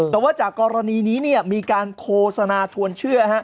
แต่ว่าจากกรณีนี้เนี่ยมีการโฆษณาชวนเชื่อ